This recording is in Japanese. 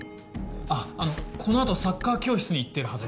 あっあのこの後サッカー教室に行ってるはずです。